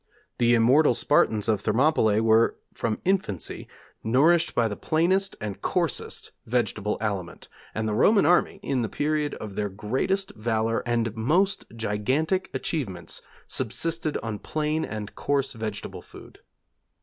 The immortal Spartans of Thermopylæ were, from infancy, nourished by the plainest and coarsest vegetable aliment: and the Roman army, in the period of their greatest valour and most gigantic achievements, subsisted on plain and coarse vegetable food.